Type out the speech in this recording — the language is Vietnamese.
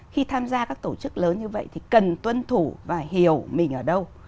khi tham gia các tổ chức lớn như vậy thì cần tuân thủ và hiểu mình ở đâu